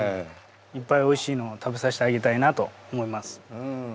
いっぱいおいしいのを食べさせてあげたいなと思います。